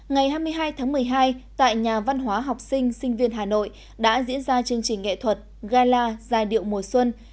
ngày hai mươi hai tháng một mươi hai tại nhà văn hóa học sinh sinh viên hà nội đã diễn ra chương trình nghệ thuật gala giai điệu mùa xuân